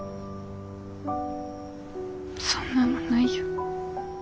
そんなのないよ。